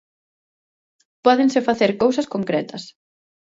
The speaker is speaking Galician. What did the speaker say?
Pódense facer cousas concretas.